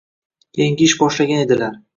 Yangi ish boshlagan edilar.